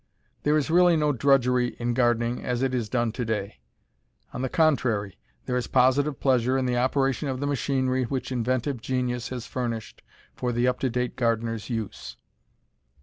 There is really no drudgery in gardening as it is done to day. On the contrary, there is positive pleasure in the operation of the machinery which inventive genius has furnished for the up to date gardener's use.